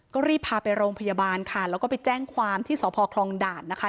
ก็รีบพาไปโรงพยาบาลค่ะแล้วก็ไปแจ้งความที่สพคลองด่านนะคะ